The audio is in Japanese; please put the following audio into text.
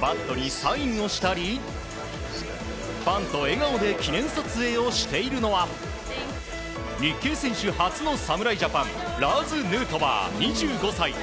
バットにサインしたりファンと笑顔で記念撮影をしているのは日系選手初の侍ジャパンラーズ・ヌートバー、２５歳。